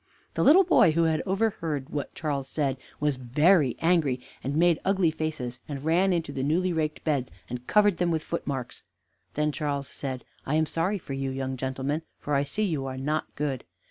The little boy, who had overheard what Charles said, was very angry, and made ugly faces, and ran into the newly raked beds, and covered them with footmarks. Then Charles said: "I am sorry for you, young gentleman, for I see you are not good."